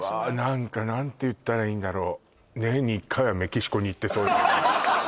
何か何て言ったらいいんだろう